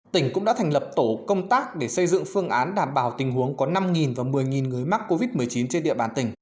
tỉnh cũng đã thành lập tổ công tác để xây dựng phương án đảm bảo tình huống có năm và một mươi người mắc covid một mươi chín trên địa bàn tỉnh